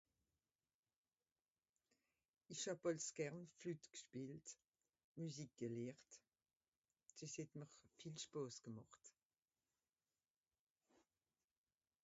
Ìch hàb àls gern Flûte gspìelt, Müsik gelehrt. Dìs het mr viel spàs gemàcht.